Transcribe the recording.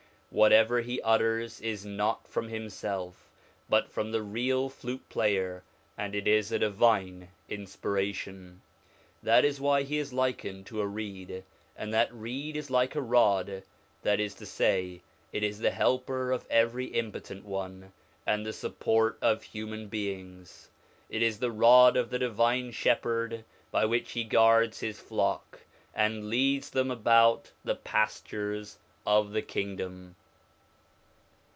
Whatever he utters is not from himself, but from the real flute player, and it is a divine in spiration. That is why he is likened to a reed; and 53 54 SOME ANSWERED QUESTIONS that reed is like a rod, that is to say it is the helper of every impotent one, and the support of human beings. It is the rod of the Divine Shepherd by which He guards His flock, and leads them about the pastures of the Kingdom.